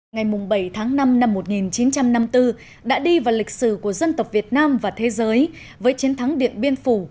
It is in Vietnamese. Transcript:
ngày bảy tháng năm năm một nghìn chín trăm năm mươi bốn đã đi vào lịch sử của dân tộc việt nam và thế giới với chiến thắng điện biên phủ